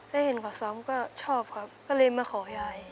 ได้เห็นเขาซ้อมก็ชอบครับก็เลยมาขอยาย